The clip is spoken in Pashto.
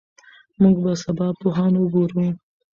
موږ به سبا پوهان وګورو.